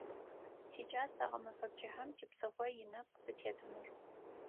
СикӀас сэ гъэмэфэ пчыхьэм типсыхъо инэпкъ сытетыныр.